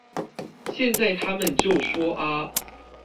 現在他們就說啊